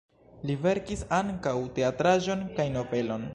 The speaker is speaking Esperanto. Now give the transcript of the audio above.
Li verkis ankaŭ teatraĵon kaj novelon.